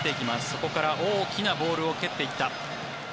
そこから大きなボールを蹴っていった。